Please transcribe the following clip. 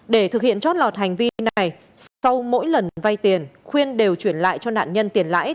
để thực hiện trót lọt hành vi này sau mỗi lần vay tiền khuyên đều chuyển lại cho nạn nhân tiền lãi